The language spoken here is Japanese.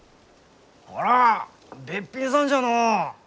あらあべっぴんさんじゃのう。